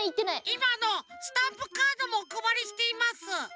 いまあのスタンプカードもおくばりしています。